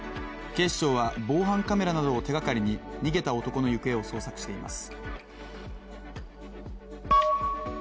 警視庁は防犯カメラなどを手がかりに逃げた男の行方を捜索しています。